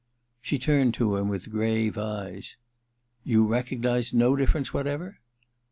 She turned to him with grave eyes. * You recognize no difference whatever